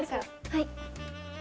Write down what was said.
はい。